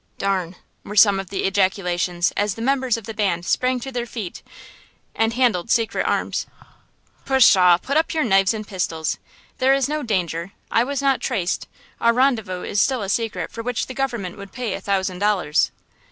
"D–n!" were some of the ejaculations as the members of the band sprang to their feet and handled secret arms. "Pshaw! put up your knives and pistols! There is no danger. I was not traced–our rendezvous is still a secret for which the government would pay a thousand dollars!"